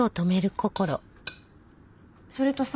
それとさ。